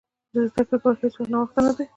د زده کړې لپاره هېڅ وخت ناوخته نه دی.